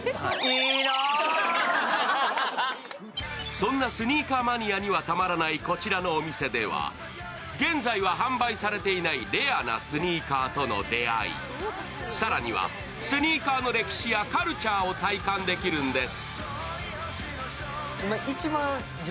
そんなスニーカーマニアにはたまらない、こちらのお店では、現在は販売されていないレアなスニーカーとの出会い、更には、スニーカーの歴史やカルチャーを体感できるんです。